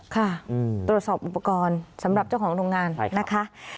ค่ะตรวจสอบอุปกรณ์สำหรับเจ้าของโรงงานนะคะ